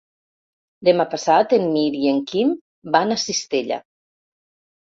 Demà passat en Mirt i en Quim van a Cistella.